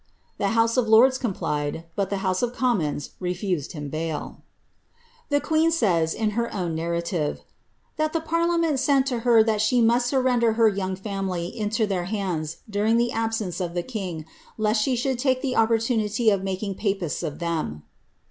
The House of Lords complied ; but the House of Commons re* fused him bail.' The queen says, in her own narrative,' ^ that the parliament sent to her that she must surrender her young family into their hands during the absence of the king, lest she should take the opportunity of making papists of them."